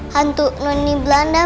hantu noni belanda